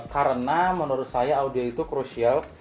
karena menurut saya audio itu crucial